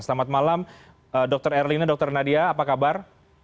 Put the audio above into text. selamat malam dr erlina dr nadia apa kabar